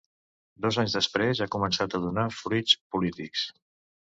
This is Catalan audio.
Dos anys després, ha començat a donar fruits polítics.